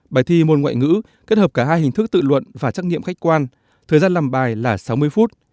bài thi môn ngoại ngữ kết hợp cả hai hình thức tự luận và trách nghiệm khách quan thời gian làm bài là sáu mươi phút